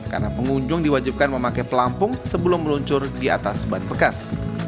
karena pengunjung diwajibkan memakai pelampung sebelum meluncur di atas ban bekas